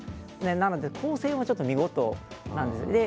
なので、構成が見事なんです。